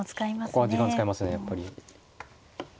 ここは時間を使いますねやっぱり。